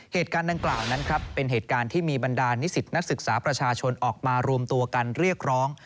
เหตุการณ์ดังกล่าวนั้นครับเป็นเหตุการณ์ที่มีบรรดานิสิตนักศึกษาประชาชนออกมารวมตัวกันเรียกร้อง